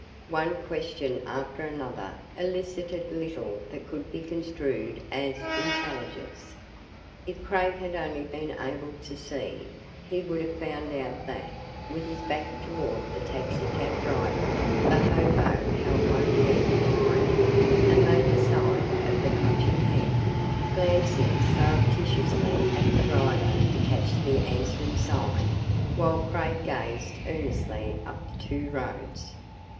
One question after another elicited little that could be construed as intelligence. If Craig had only been able to see, he would have found out that, with his back toward the taxicab driver, the hobo held one hand behind him and made the sign of the Clutching Hand, glancing surreptitiously at the driver to catch the answering sign, while Craig gazed earnestly up the two roads.